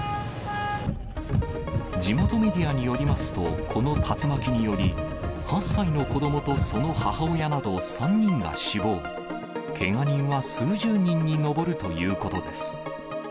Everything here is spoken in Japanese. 地元メディアによりますと、この竜巻により、８歳の子どもとその母親など、３人が死亡、けが人は数十人に上るということです。